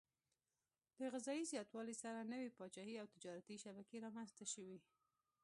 د غذايي زیاتوالي سره نوي پاچاهي او تجارتي شبکې رامنځته شوې.